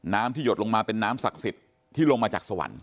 น้ำที่หยดลงมาเป็นน้ำศักดิ์สิทธิ์ที่ลงมาจากสวรรค์